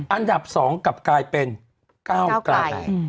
อันดับสองกับกายเป็นเก้าไก่